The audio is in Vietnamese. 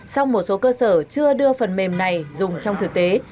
song một số cơ sở chưa đưa phần mềm này dùng trong thực tế